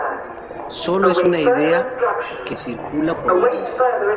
sólo es una idea que circula por la red